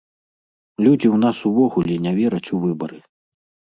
Людзі ў нас увогуле не вераць у выбары.